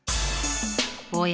おや？